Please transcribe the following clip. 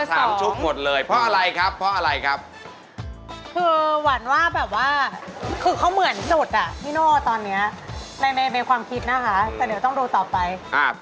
แต่เดี๋ยวต้องดูต่อไป